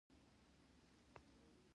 نجلۍ را کښته شوه د ټاله